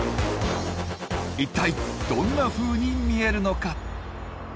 一体どんなふうに見えるのか？